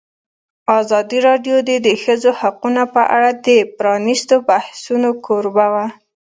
ازادي راډیو د د ښځو حقونه په اړه د پرانیستو بحثونو کوربه وه.